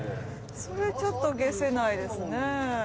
それちょっと解せないですね。